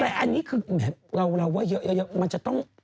แต่อันนี้คือแหมเราว่าเยอะมันจะต้อง